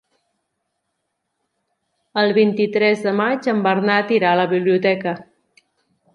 El vint-i-tres de maig en Bernat irà a la biblioteca.